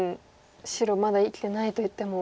白まだ生きてないといっても。